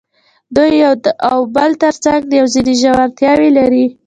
دوی د یو او بل تر څنګ دي او ځینې ژورتیاوې لري.